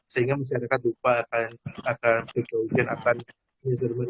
sehingga masyarakat lupa akan akan precaution akan